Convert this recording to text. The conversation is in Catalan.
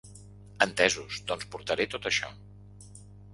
Entesos, doncs portaré tot això!